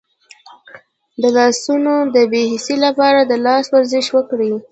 د لاسونو د بې حسی لپاره د لاس ورزش وکړئ